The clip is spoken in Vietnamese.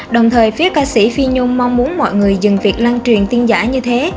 đồng thời phía ca sĩ phi nhung mong muốn mọi người dừng việc lan truyền tin giả như thế